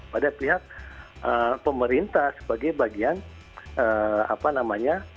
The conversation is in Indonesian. pada pihak pemerintah sebagai bagian apa namanya